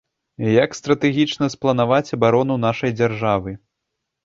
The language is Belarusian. Як стратэгічна спланаваць абарону нашай дзяржавы.